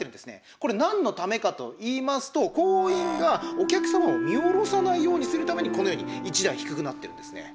これ何のためかといいますと行員がお客様を見下ろさないようにするためにこのように１段低くなってるんですね。